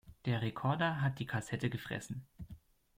Der Rekorder hat die Kassette gefressen.